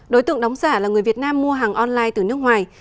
đối tượng đóng giả là người việt nam mua hàng online từ nước ngoài